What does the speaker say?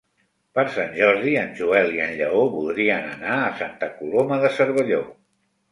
Per Sant Jordi en Joel i en Lleó voldrien anar a Santa Coloma de Cervelló.